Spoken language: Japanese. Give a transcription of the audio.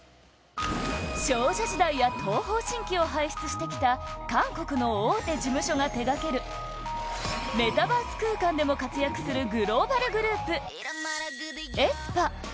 少女時代や東方神起を輩出してきた韓国の大手事務所が手がけるメタバース空間でも活躍するグローバルグループａｅｓｐａ